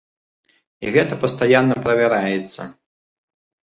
І гэта пастаянна правяраецца.